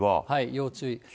要注意。